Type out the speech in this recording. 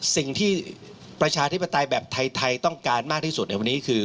สิ่งที่ประชาธิปไตยแบบไทยต้องการมากที่สุดในวันนี้คือ